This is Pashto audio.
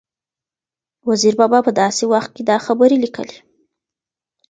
وزیر بابا په داسې وخت کې دا خبرې لیکلي